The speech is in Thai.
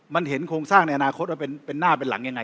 มันเห็นโครงสร้างในอนาคตว่าเป็นหน้าเป็นหลังยังไง